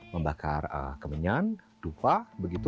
membakar kemenyan dupa begitu